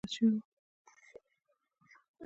آن خپله د شوروي مشران هم پرې غلط شوي وو